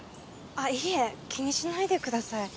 あっいいえ気にしないでください。